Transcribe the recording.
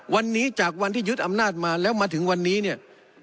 วันนี้จากวันที่ยึดอำนาจมาแล้วมาถึงวันนี้เนี่ย